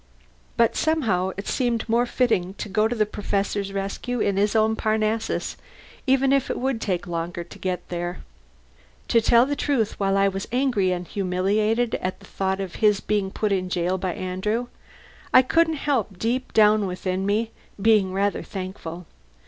But somehow it seemed more fitting to go to the Professor's rescue in his own Parnassus, even if it would take longer to get there. To tell the truth, while I was angry and humiliated at the thought of his being put in jail by Andrew, I couldn't help, deep down within me, being rather thankful.